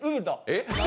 えっ？